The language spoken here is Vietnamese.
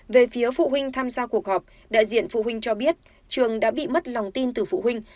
về phía phụ huynh tham gia cuộc họp đại diện phụ huynh cho biết trường đã bị mất lòng tin từ phụ huynh